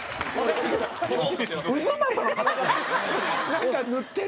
なんか塗ってる？